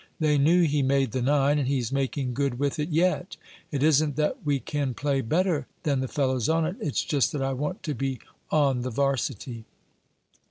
They knew he made the nine, and he's making good with it yet. It isn't that we can play better than the fellows on it, it's just that I want to be on the varsity."